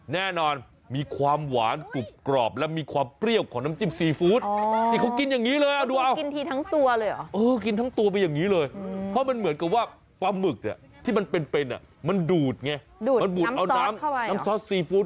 แน่นอนมีความหวานกรมกรอบและมีความเปรี้ยวของน้ำจิ้มซีฟู้ด